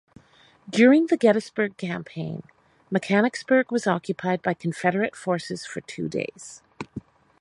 During the Gettysburg Campaign Mechanicsburg was occupied by Confederate forces for two days.